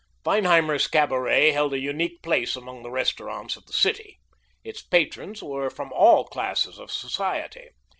Feinheimer's Cabaret held a unique place among the restaurants of the city. Its patrons were from all classes of society.